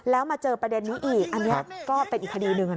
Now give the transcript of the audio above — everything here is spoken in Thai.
แล้วมาเจอประเด็นนี้อีกอันนี้ก็เป็นอีกคดีหนึ่ง